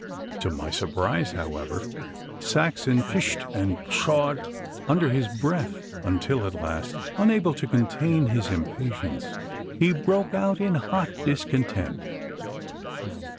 To my surprise, however, Saxon pished and pshawed under his breath, until at last, unable to contain his impatience, he broke out in hot discontent.